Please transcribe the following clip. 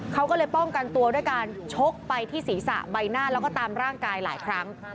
เขาก็เลยป้องกันตัวด้วยการชกไปที่ศีรษะใบหน้าแล้วก็ตามร่างกายหลายครั้ง